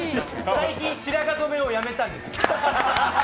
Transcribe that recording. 最近、白髪染めをやめたんです。